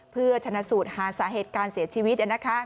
เพื่อชนะสูตรหาสาเหตุการเสียชีวิต